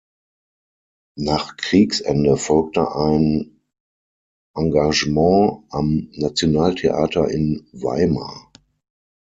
Nach Kriegsende folgte ein Engagement am Nationaltheater in Weimar.